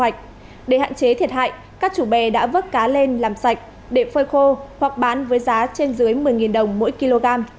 các chủ bè đã vớt cá lên làm sạch để phơi khô hoặc bán với giá trên dưới một mươi đồng mỗi kg